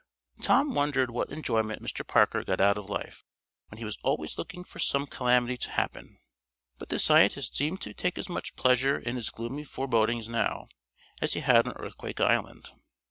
Tom wondered what enjoyment Mr. Parker got out of life, when he was always looking for some calamity to happen, but the scientist seemed to take as much pleasure in his gloomy forebodings now, as he had on Earthquake Island.